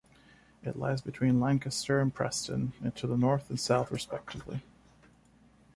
It lies between Lancaster and Preston to the north and south respectively.